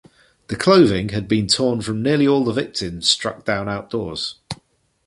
The clothing had been torn from nearly all the victims struck down outdoors.